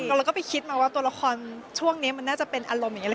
เราก็ไปคิดมาว่าตัวละครช่วงนี้มันน่าจะเป็นอารมณ์อย่างนี้